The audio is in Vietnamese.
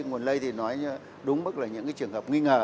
nguồn lây thì nói đúng mức là những trường hợp nghi ngờ